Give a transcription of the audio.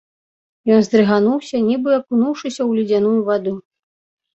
Ён здрыгануўся, нібы акунуўшыся ў ледзяную ваду.